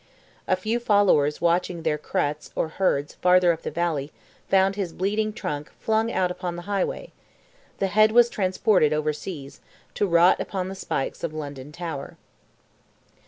A few followers watching their creaghts or herds, farther up the valley, found his bleeding trunk flung out upon the highway; the head was transported over seas, to rot upon the spikes of London Tower.